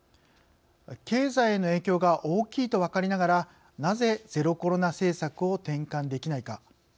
経済への影響が大きいと分かりながらなぜ、ゼロコロナ政策を転換できないか。